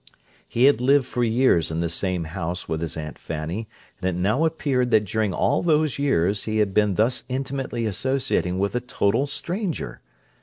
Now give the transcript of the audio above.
He had lived for years in the same house with his Aunt Fanny, and it now appeared that during all those years he had been thus intimately associating with a total stranger.